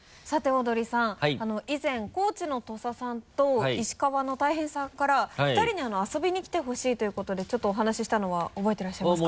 以前高知の土佐さんと石川の大平さんから２人に遊びに来てほしいということでちょっとお話ししたのは覚えていらっしゃいますか？